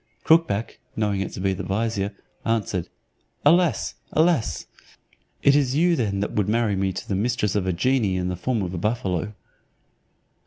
Crookback, knowing it to be the vizier. answered, "Alas! alas! it is you then that would marry me to the mistress of a genie in the form of a buffalo."